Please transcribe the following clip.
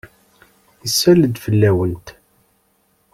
Isal-d fell-awent.